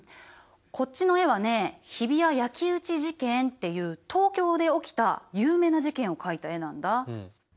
こっちの絵はね日比谷焼き打ち事件っていう東京で起きた有名な事件を描いた絵なんだ。